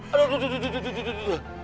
aduh aduh aduh aduh